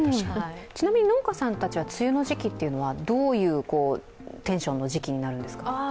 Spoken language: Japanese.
ちなみに、農家さんは雨の時期はどういうテンションの時期になるんですか。